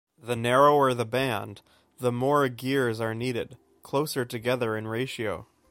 The narrower the band, the more gears are needed, closer together in ratio.